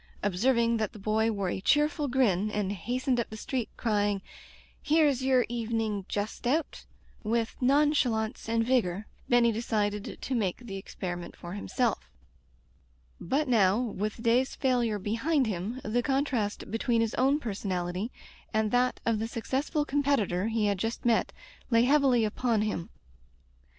Ob serving that the boy wore a cheerful grin and hastened up the street crying, "Here's ycr evening Just Out,*' with nonchalance and vigor^ Benny decided to make the experi ment for himself. But now, with the day's Digitized by LjOOQ IC A Tempered Wind failure behind him, the contrast between his own personality and that of the successful competitor he had just met lay heavily upon him.